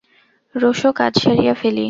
রোসো, কাজ সারিয়া ফেলি।